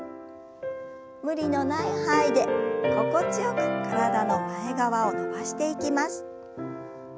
無理のない範囲で心地よく体の前側を伸ばしていきます。